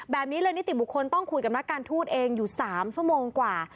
แบบนี้เลยนิติบุคคลต้องคุยกับนักการทูตเองอยู่๓ชั่วโมงกว่า